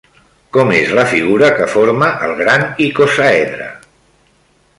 Com és la figura que forma el gran icosàedre?